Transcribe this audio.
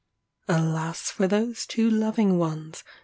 Alas for those two loving ones!